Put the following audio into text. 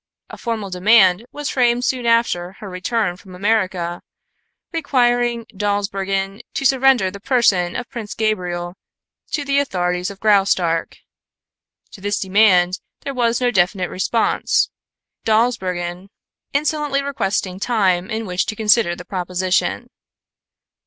A formal demand was framed soon after her return from America, requiring Dawsbergen to surrender the person of Prince Gabriel to the authorities of Graustark. To this demand there was no definite response, Dawsbergen insolently requesting time in which to consider the proposition.